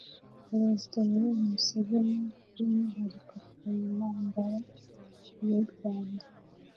perezida yoweri museveni by'umwihariko ku ntambara yo rwanda.